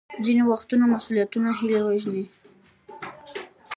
ځینې وختونه مسوولیتونه هیلې وژني.